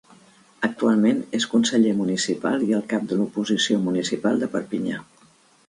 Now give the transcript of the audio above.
Actualment és conseller municipal i el cap de l'oposició municipal de Perpinyà.